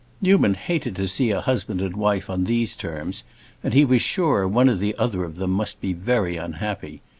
Newman hated to see a husband and wife on these terms, and he was sure one or other of them must be very unhappy.